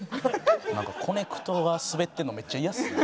なんかコネクトがスベってるのめっちゃ嫌っすね。